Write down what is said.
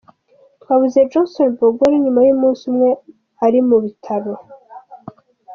Twabuze Johnson Bagoole nyuma y’umunsi umwe ari mu bitaro.